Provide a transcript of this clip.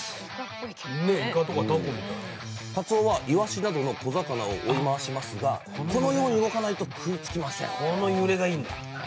かつおはイワシなどの小魚を追い回しますがこのように動かないと食いつきません。